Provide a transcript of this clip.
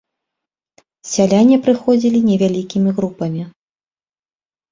Сяляне прыходзілі невялікімі групамі.